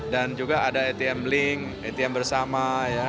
dan juga ada atm link atm bersama